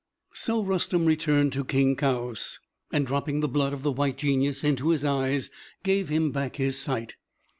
So Rustem returned to King Kaoüs, and, dropping the blood of the White Genius into his eyes, gave him back his sight.